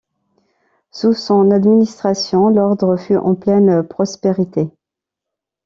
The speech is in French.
Sous son administration, l'ordre fut en pleine prospérité.